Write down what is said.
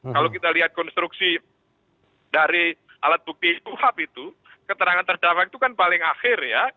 kalau kita lihat konstruksi dari alat bukti kuhap itu keterangan terdakwa itu kan paling akhir ya